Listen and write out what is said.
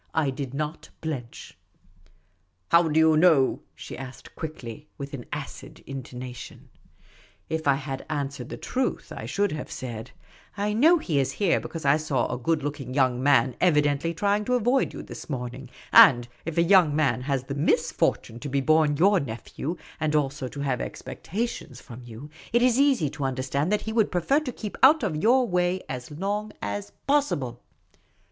I did not blench. " How do you know?" she asked quickly, with an acid intonation. If I had answered the truth, I should have said: " I know he is here, because I saw a good looking young man evi dently trying to avoid you this morning ; and if a young man has the misfortune to be born j'our nephew, and also to have expectations from you, it is easy to understand that he would prefer to keep out of your way as long as possible."